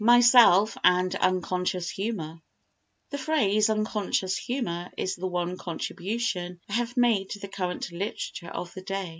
Myself and "Unconscious Humour" The phrase "unconscious humour" is the one contribution I have made to the current literature of the day.